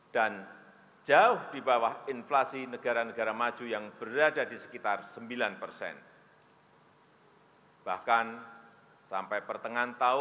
dan jauh di bawah inflasi negara negara maju yang berada di sekitar sembilan persen